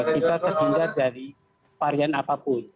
kita terhindar dari varian apapun